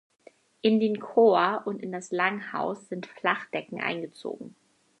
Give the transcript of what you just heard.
In den Chor und in das Langhaus sind Flachdecken eingezogen.